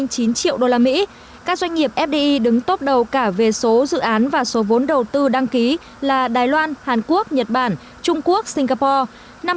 các doanh nghiệp fdi đứng tốp đầu cả về số dự án và số vốn đầu tư đăng ký là đài loan hàn quốc nhật bản trung quốc singapore